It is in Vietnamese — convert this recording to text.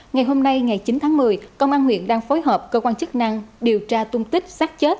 ngày hôm nay ngày chín tháng một mươi công an huyện đang phối hợp cơ quan chức năng điều tra tung tích sát chết